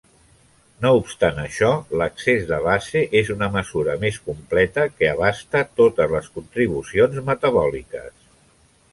No obstant això, l'excés de base és una mesura més completa que abasta totes les contribucions metabòliques.